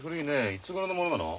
いつごろのものなの？